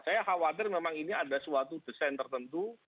saya khawatir memang ini ada suatu desain tertentu